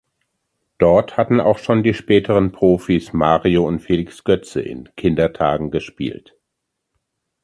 Dort hatten auch schon die späteren Profis Mario und Felix Götze in Kindertagen gespielt.